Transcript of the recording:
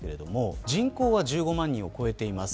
人口は１５万人を超えています。